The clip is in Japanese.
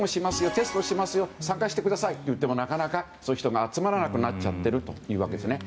テストをしますよ参加してくださいと言ってもなかなかそういう人が集まらなくなってしまっているというわけですね。